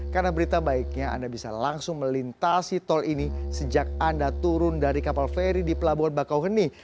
karena berita baiknya anda bisa langsung melintasi tol ini sejak anda turun dari kapal feri di pelabuhan bakauheni